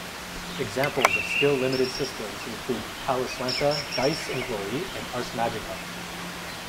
Examples of skill-limited systems include Talislanta, Dice and Glory and Ars Magica.